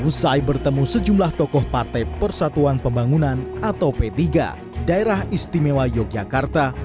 usai bertemu sejumlah tokoh partai persatuan pembangunan atau p tiga daerah istimewa yogyakarta